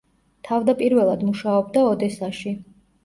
თავდაპირველად მუშაობდა ოდესაში.